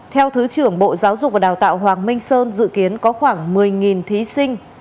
theo thứ trưởng bộ giáo dục và đào tạo hoàng minh sơn dự kiến có khoảng một mươi thí sinh